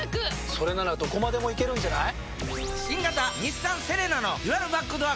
それならどこまでも行けるんじゃない？